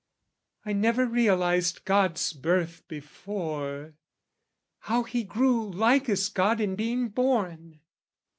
I never realised God's birth before How he grew likest God in being born.